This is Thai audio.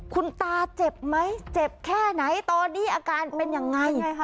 คุณตาเจ็บไหมเจ็บแค่ไหนตอนนี้อาการเป็นยังไง